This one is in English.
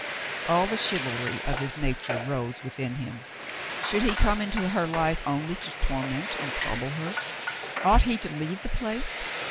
All the chivalry of his nature rose within him. Should he come into her life only to torment and trouble her ? Ought he to leave the place